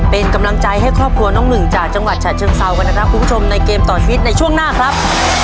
เป็นกำลังใจให้ครอบครัวน้องหนึ่งจากจังหวัดฉะเชิงเซากันนะครับคุณผู้ชมในเกมต่อชีวิตในช่วงหน้าครับ